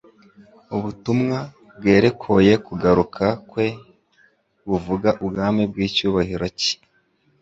ubutumwa bwerekoye kugaruka kwe buvuga ubwami bw'icyubahiro cye.